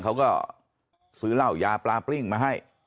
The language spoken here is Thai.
เขาก็ซื้อเหล้ายาปลาปลิ้งมาให้